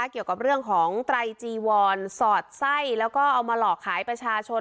เกี่ยวกับเรื่องของไตรจีวอนสอดไส้แล้วก็เอามาหลอกขายประชาชน